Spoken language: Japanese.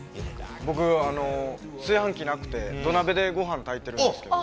◆僕、炊飯器なくて、土鍋でごはん炊いてるんですけど。